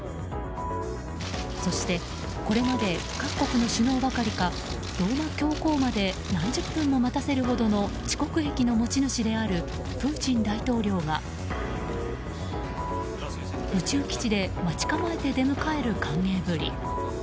そして、これまで各国の首脳ばかりかローマ教皇まで何十分も待たせるほどの遅刻癖の持ち主であるプーチン大統領が宇宙基地で待ち構えて出迎える歓迎ぶり。